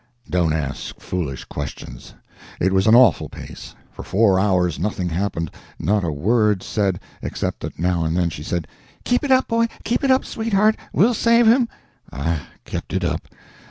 "Don't ask foolish questions. It was an awful pace. For four hours nothing happened, and not a word said, except that now and then she said, 'Keep it up, Boy, keep it up, sweetheart; we'll save him!' I kept it up.